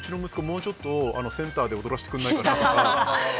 もうちょっとセンターで躍らせてくれないか？とか。